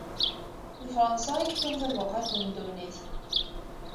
D Fransa i yewwin tabuqalt n ddunit.